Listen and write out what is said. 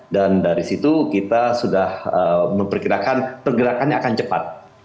dan dari situ kita sudah memperkirakan pergerakannya akan cepat